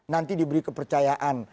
nanti diberi kepercayaan